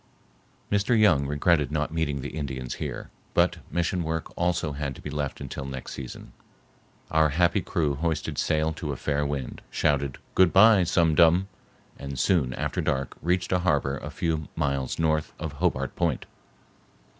Mr. Young regretted not meeting the Indians here, but mission work also had to be left until next season. Our happy crew hoisted sail to a fair wind, shouted "Good bye, Sum Dum!" and soon after dark reached a harbor a few miles north of Hobart Point.